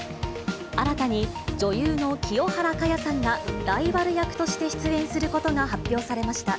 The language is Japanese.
新たに、女優の清原果耶さんが、ライバル役として出演することが発表されました。